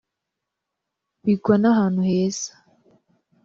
bigwa na hantu heza